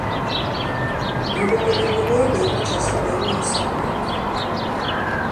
გამოყენებულია ბევრი ჩასაბერი ინსტრუმენტი.